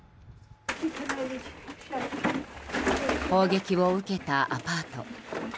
砲撃を受けたアパート。